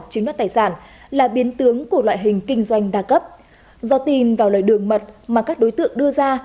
chiếm đoạt tài sản là biến tướng của loại hình kinh doanh đa cấp do tin vào lời đường mật mà các đối tượng đưa ra